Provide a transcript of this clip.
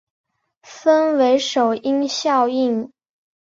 分为首因效应。